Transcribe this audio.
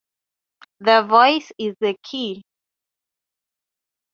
The voice is the key.